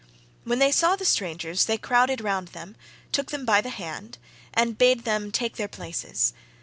When they saw the strangers they crowded round them, took them by the hand and bade them take their places.